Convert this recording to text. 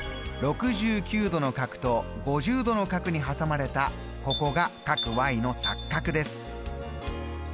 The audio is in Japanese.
６９度の角と５０度の角に挟まれたここがの錯角です。